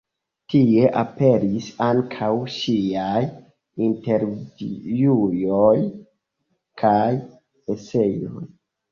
Tie aperis ankaŭ ŝiaj intervjuoj kaj eseoj.